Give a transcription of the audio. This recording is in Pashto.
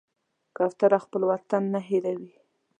کوتره خپل وطن نه هېروي.